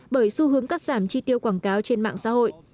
bởi xu hướng cắt giảm chi tiêu quảng cáo trên mạng xã hội